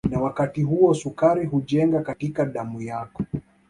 Na wakati huo sukari hujenga katika damu yako